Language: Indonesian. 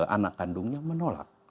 anak kandungnya menolak